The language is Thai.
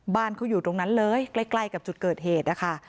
บ้านเขาอยู่ตรงนั้นเลยใกล้กับจุดเกิดเหตุนะคะ